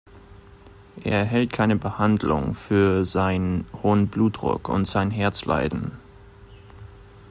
Er erhält keine Behandlung für seinen hohen Blutdruck und sein Herzleiden.